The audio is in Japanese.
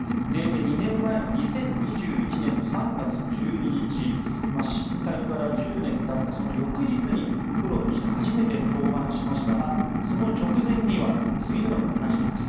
２年前の２０２１年の３月１２日震災から１０年たったその翌日にプロとして初めて登板しましたがその直前には次のように話しています。